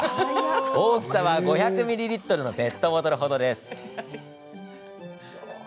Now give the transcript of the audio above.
大きさは、５００ミリリットルのペットボトルほどです。